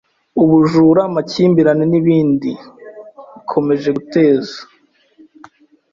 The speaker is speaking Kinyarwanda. ubujura, amakimbirane n’ibindi ikomeje guteza.